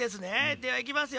ではいきますよ。